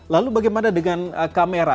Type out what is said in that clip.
lalu bagaimana dengan kamera